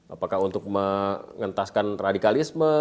apakah untuk mengentaskan radikalisme